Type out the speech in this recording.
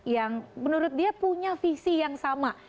yang menurut dia punya visi yang sama